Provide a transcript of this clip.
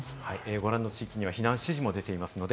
ご覧の地域には避難指示も出ています。